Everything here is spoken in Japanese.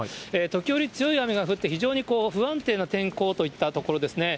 時折強い雨が降って、非常に不安定な天候といったところですね。